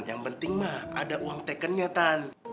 yang penting mah ada uang tekernya tan